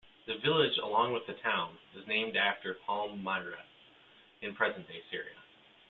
The village, along with the town, is named after Palmyra in present-day Syria.